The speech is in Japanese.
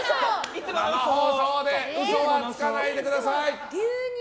生放送で嘘はつかないでください。